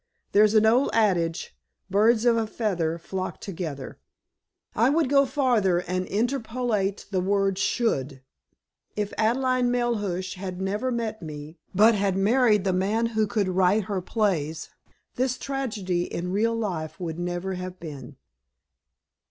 There's an old adage, 'Birds of a feather flock together.' I would go farther, and interpolate the word 'should.' If Adelaide Melhuish had never met me, but had married the man who could write her plays, this tragedy in real life would never have been."